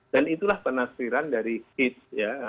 dan itulah penastiran dari hiz ya